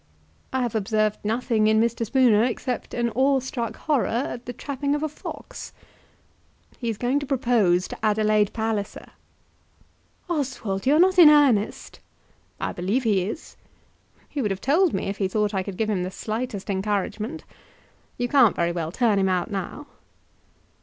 "I have observed nothing in Mr. Spooner, except an awe struck horror at the trapping of a fox." "He's going to propose to Adelaide Palliser." "Oswald! You are not in earnest." "I believe he is. He would have told me if he thought I could give him the slightest encouragement. You can't very well turn him out now."